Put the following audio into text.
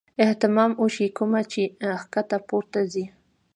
اهتمام اوشي کومه چې ښکته پورته ځي -